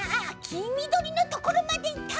きみどりのところまでいった！